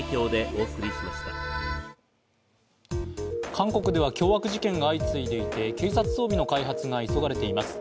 韓国では凶悪事件が相次いでいて、警察装備の開発が急がれています。